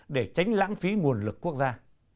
để tránh lãng phí nguồn lực quốc gia